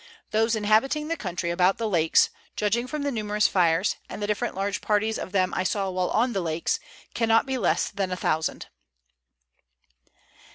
Those inhabiting the country about the lakes, judging from the numerous fires, and the different large parties of them I saw while on the lakes, cannot be less than a thousand.